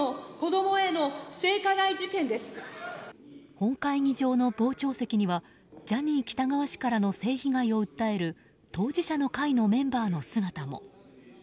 本会議場の傍聴席にはジャニー喜多川氏からの性被害を訴える当事者の会のメンバーの姿も。